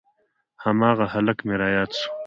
هماغه هلک مې راياد سو.